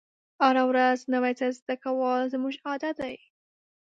هره ورځ نوی څه زده کول زموږ عادت دی.